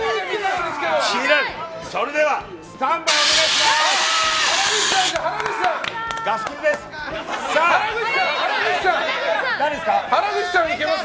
それではスタンバイお願いします。